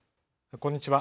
こんにちは。